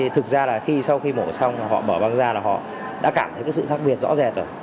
thực ra là khi sau khi mổ xong họ mở băng ra là họ đã cảm thấy sự khác biệt rõ rệt rồi